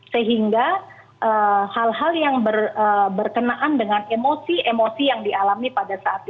sehingga hal hal yang berkenaan dengan emosi emosi yang dialami pada saat itu